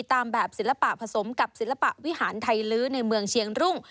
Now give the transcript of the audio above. ตามแบบศิลปะผสมกับศิลปะวิหารไทยลื้อในเมืองเชียงรุ่ง